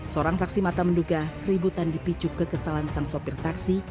seorang saksi mata menduga keributan dipicu kekesalan sang sopir taksi